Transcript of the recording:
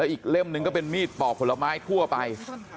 อีกเล่มหนึ่งก็เป็นมีดปอกผลไม้ทั่วไป